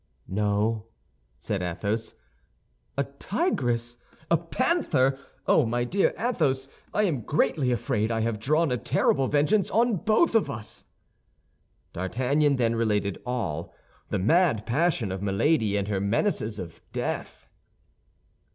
"No," said Athos. "A tigress, a panther! Ah, my dear Athos, I am greatly afraid I have drawn a terrible vengeance on both of us!" D'Artagnan then related all—the mad passion of Milady and her menaces of death.